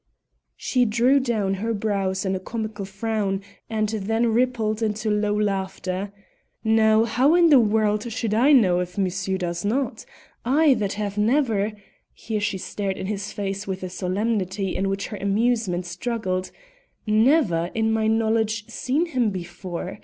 She drew down her brows in a comical frown, and then rippled into low laughter. "Now, how in the world should I know if monsieur does not? I, that have never" here she stared in his face with a solemnity in which her amusement struggled "never, to my knowledge, seen him before.